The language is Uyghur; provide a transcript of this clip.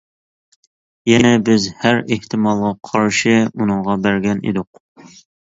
يەنى بىز ھەر ئېھتىمالغا قارشى ئۇنىڭغا بەرگەن ئىدۇق.